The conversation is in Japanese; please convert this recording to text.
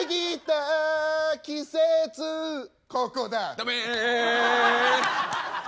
ダメ！